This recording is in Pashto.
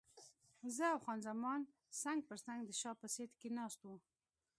زه او خان زمان څنګ پر څنګ د شا په سیټ کې ناست وو.